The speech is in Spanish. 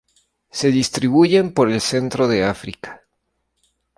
Se distribuyen por el centro de África.